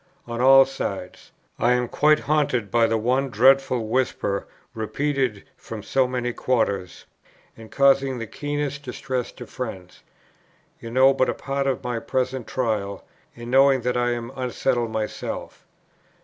On all sides: I am quite haunted by the one dreadful whisper repeated from so many quarters, and causing the keenest distress to friends. You know but a part of my present trial, in knowing that I am unsettled myself.